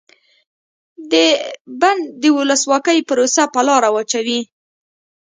د بن د ولسواکۍ پروسه په لاره واچوي.